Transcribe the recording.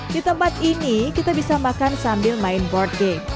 di tempat ini kita bisa makan sambil main board game